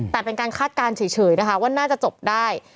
แต่เป็นการคาดการณ์เฉยนะคะว่าน่าจะจบได้